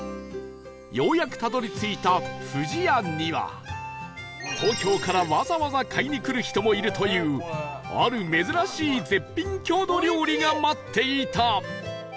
ようやくたどり着いたふじやには東京からわざわざ買いに来る人もいるというある珍しい絶品郷土料理が待っていた